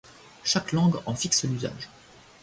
Chaque langue en fixe l’usage.